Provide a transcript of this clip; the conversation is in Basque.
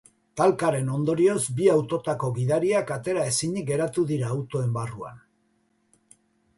Talkaren ondorioz, bi autotako gidariak atera ezinik geratu dira, autoen barruan.